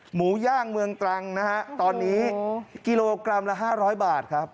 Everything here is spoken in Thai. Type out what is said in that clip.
หมูย่างเมืองตรังนะฮะตอนนี้กิโลกรัมละ๕๐๐บาทครับ